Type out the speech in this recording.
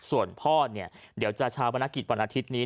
ส่วนพ่อเนี่ยเดี๋ยวจะชาวประนักกิจวันอาทิตย์นี้